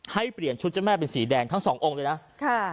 ให้เปลี่ยนชุดเจ้าแม่เป็นสีแดงทั้งสององค์เลยนะค่ะ